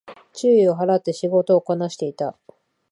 注意を払って仕事をこなしていた